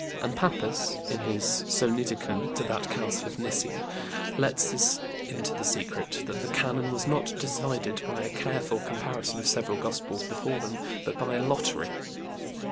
And Pappus, in his Synodicon to that Council of Nicea, lets us into the secret that the Canon was not decided by a careful comparison of several gospels before them, but by a lottery.